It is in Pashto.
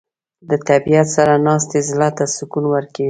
له طبیعت سره ناستې زړه ته سکون ورکوي.